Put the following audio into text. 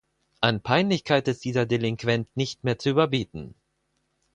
An Peinlichkeit ist dieser Delinquent nicht mehr zu überbieten!